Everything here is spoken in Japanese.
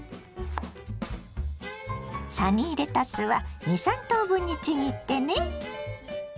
サニーレタスは２３等分にちぎってね。